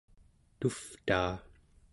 tuvtaa